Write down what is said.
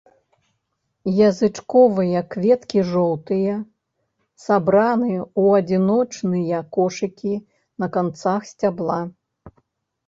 Язычковыя кветкі жоўтыя, сабраны ў адзіночныя кошыкі на канцах сцябла.